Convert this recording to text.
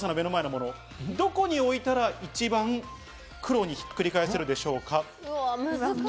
どこに置いたら一番黒にひっくり返せるでしょうか。